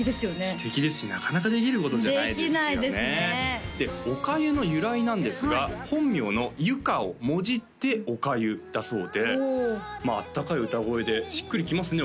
素敵ですしなかなかできることじゃないですよねできないですねで「おかゆ」の由来なんですが本名の「ゆか」をもじって「おかゆ」だそうであったかい歌声でしっくりきますね